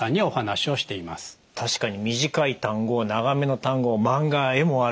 確かに短い単語長めの単語マンガは絵もある。